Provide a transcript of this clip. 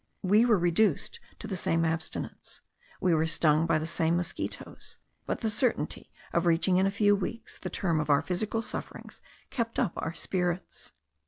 We were reduced to the same abstinence; we were stung by the same mosquitos; but the certainty of reaching in a few weeks the term of our physical sufferings kept up our spirits.